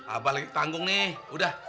abah lagi tanggung nih udah